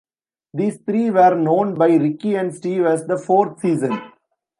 These three were known by Ricky and Steve as "The Fourth Season".